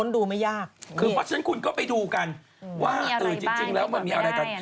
ว่าเอ่ยจริงแล้วไม่มีอะไรกัน